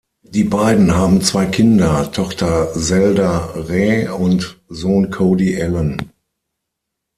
Die beiden haben zwei Kinder, Tochter Zelda Rae und Sohn Cody Alan.